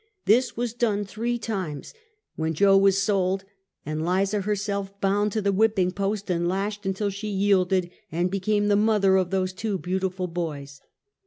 This was done three times, when Jo was sold, and Liza her self bound to the whipping post, and lashed until she yielded, and became the mother of those two beautiful boys.